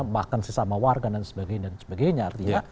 bahkan sesama warga dan sebagainya artinya